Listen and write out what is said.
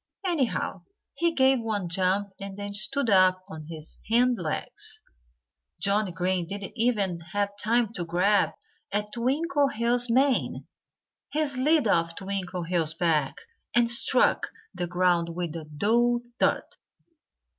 Anyhow, he gave one jump and then stood up on his hind legs. Johnnie Green didn't even have time to grab at Twinkleheels' mane. He slid off Twinkleheels' back and struck the ground with a dull thud.